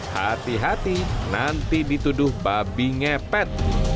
hati hati nanti dituduh babi ngepet